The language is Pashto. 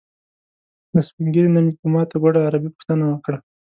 له سپین ږیري نه مې په ماته ګوډه عربي پوښتنه وکړه.